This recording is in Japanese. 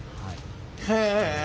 へえ。